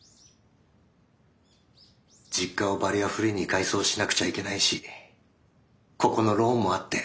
実家をバリアフリーに改装しなくちゃいけないしここのローンもあって。